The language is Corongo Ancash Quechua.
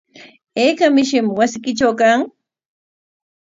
¿Ayka mishim wasiykitraw kan?